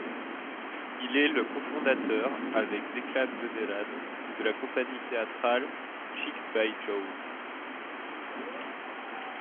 Il est le cofondateur, avec Declan Donnellan, de la compagnie théâtrale Cheek by Jowl.